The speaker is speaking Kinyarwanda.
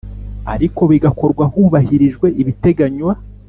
ariko bigakorwa hubahirijwe ibiteganywa